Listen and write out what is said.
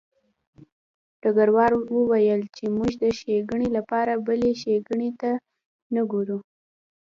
ډګروال وویل چې موږ د ښېګڼې لپاره بلې ښېګڼې ته نه ګورو